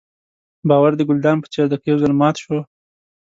باور د ګلدان په څېر دی که یو ځل مات شو.